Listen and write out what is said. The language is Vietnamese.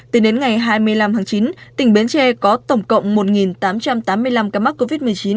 từ đến ngày hai mươi năm tháng chín tỉnh bến tre có tổng cộng một tám trăm tám mươi năm ca mắc covid một mươi chín